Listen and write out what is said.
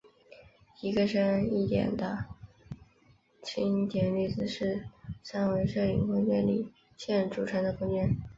一个深一点的经典例子是三维射影空间里线组成的空间。